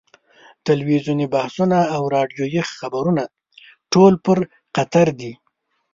تلویزیوني بحثونه او راډیویي خبرونه ټول پر قطر دي.